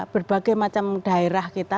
berbagai macam daerah kita